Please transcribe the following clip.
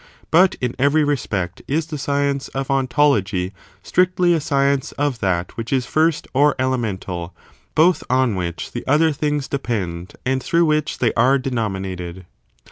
But in every respect is the science of ontology strictly a science of that which is first or elemental, both on which the other things depend and through which they are denominated.